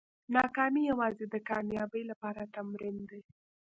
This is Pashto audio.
ناکامي یوازې د کامیابۍ لپاره تمرین دی.